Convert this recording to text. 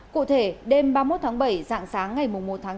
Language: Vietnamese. cụ thể đêm ba mươi một tháng bảy dạng sáng ngày một tháng tám